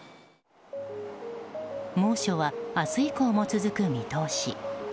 猛暑は、明日以降も続く見通し。